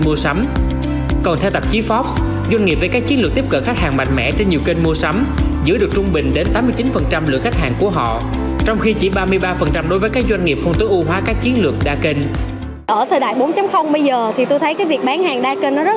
ưu hóa các chiến lược đa kênh ở thời đại bốn bây giờ thì tôi thấy cái việc bán hàng đa kênh nó rất